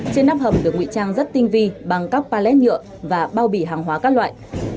trên nắp hầm được nguy trang rất tinh vi bằng các pallet nhựa và bao bì hàng hóa các loại